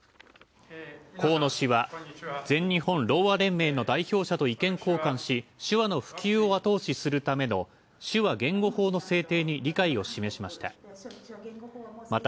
河野氏は、全日本ろうあ連盟の代表者と意見交換し手話の普及を後押しするための「手話言語法」の制定に理解を示しました。